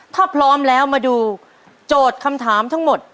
ถ้าพร้อมแล้วมาดูโจทย์คำถามทั้งหมด